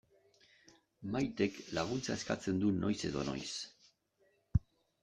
Maitek laguntza eskatzen du noiz edo noiz.